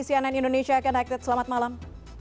cnn indonesia connected selamat malam